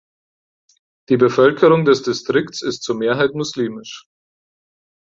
Die Bevölkerung des Distrikts ist zur Mehrheit Muslimisch.